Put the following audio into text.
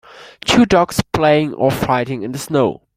Two dogs playing or fighting in the snow.